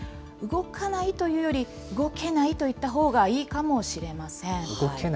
動かないというより、動けないといったほうがいいかもしれません。